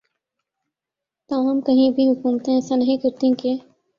تاہم کہیں بھی حکومتیں ایسا نہیں کرتیں کہ